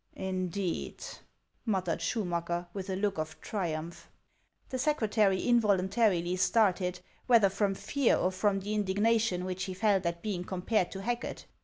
" Indeed !" muttered Schumacker, with a look of triumph. The secretary involuntarily started, whether from fear, or from the indignation which he felt at being compared to Racket.